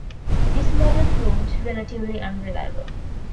This model proved relatively unreliable.